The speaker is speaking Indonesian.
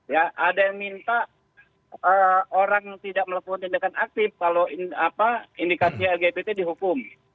ya ada yang minta orang tidak melakukan tindakan aktif kalau indikasi lgbt dihukum